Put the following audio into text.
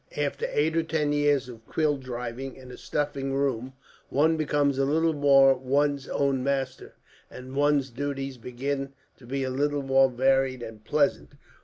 After eight or ten years of quill driving in a stuffy room, one becomes a little more one's own master, and one's duties begin to be a little more varied and pleasant.